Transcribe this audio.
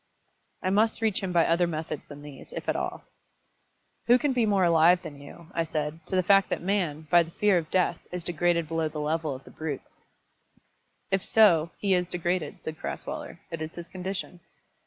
I must reach him by other methods than these, if at all. "Who can be more alive than you," I said, "to the fact that man, by the fear of death, is degraded below the level of the brutes?" "If so, he is degraded," said Crasweller. "It is his condition."